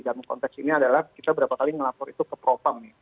dalam konteks ini adalah kita beberapa kali melapor itu ke propang